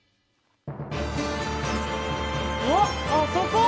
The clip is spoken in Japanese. あっあそこ！